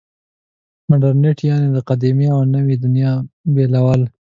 مډرنیت یعنې د قدیمې او نوې دنیا بېلول.